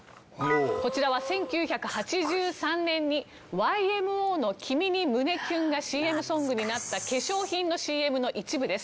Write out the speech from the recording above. こちらは１９８３年にＹＭＯの『君に、胸キュン。』がＣＭソングになった化粧品のＣＭの一部です。